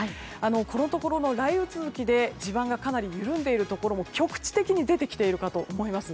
このところの雷雨続きで地盤がかなり緩んでいるところも局地的に出てきているかと思います。